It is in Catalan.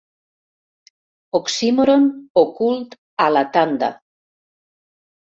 Oxímoron ocult a La tanda.